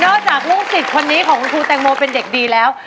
จากลูกศิษย์คนนี้ของคุณครูแตงโมเป็นเด็กดีแล้ว